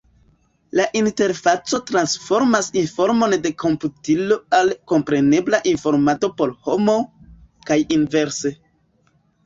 La interfaco transformas informon de komputilo al komprenebla informado por homo, kaj inverse.